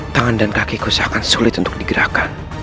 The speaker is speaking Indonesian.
tangan dan kakiku seakan sulit untuk digerakkan